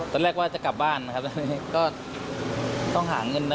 ตอนแรกว่าจะกลับบ้านนะครับตอนนี้ก็ต้องหาเงินนะ